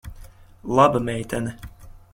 Laba meitene.